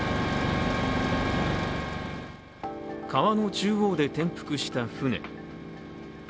川の中央で転覆した船。